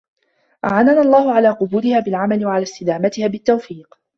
أَعَانَنَا اللَّهُ عَلَى قَبُولِهَا بِالْعَمَلِ ، وَعَلَى اسْتِدَامَتِهَا بِالتَّوْفِيقِ